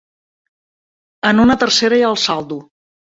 En una tercera hi ha el saldo.